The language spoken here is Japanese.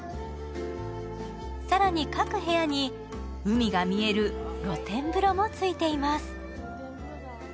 更に、各部屋に海が見える露天風呂もついています。